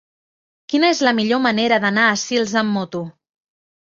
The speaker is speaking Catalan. Quina és la millor manera d'anar a Sils amb moto?